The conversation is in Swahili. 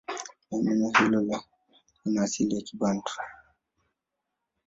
Neno hilo lina asili ya Kibantu.